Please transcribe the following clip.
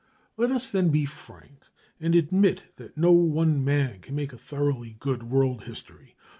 Let us then be frank and admit that no one man can make a thoroughly good world history.